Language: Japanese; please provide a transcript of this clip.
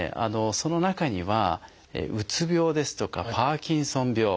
その中にはうつ病ですとかパーキンソン病